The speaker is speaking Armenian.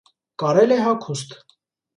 Կարել է հագուստ։